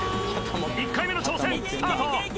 １回目の挑戦スタート！